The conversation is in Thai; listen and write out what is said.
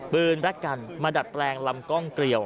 ปืนและกันมาดัดแปลงรำก้องเกลียว